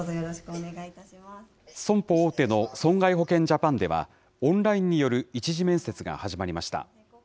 損保大手の損害保険ジャパンでは、オンラインによる１次面接が始まりました。